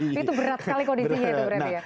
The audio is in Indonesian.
itu berat sekali kondisi